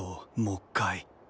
もっかい。